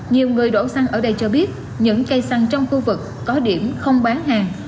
nhiều người đổ xăng ở đây cho biết những cây xăng trong khu vực có điểm không bán hàng